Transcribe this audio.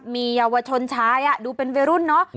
มีเยาวชนชายดูเป็นวัยรุ่นเนอะ